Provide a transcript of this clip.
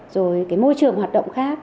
rồi cái môi trường hoạt động khác